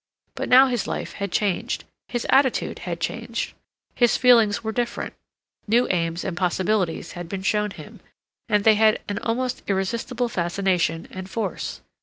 But now his life had changed; his attitude had changed; his feelings were different; new aims and possibilities had been shown him, and they had an almost irresistible fascination and force.